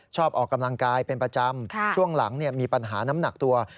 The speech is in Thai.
ออกกำลังกายเป็นประจำช่วงหลังมีปัญหาน้ำหนักตัว